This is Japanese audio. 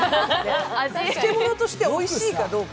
漬物としておいしいかどうか。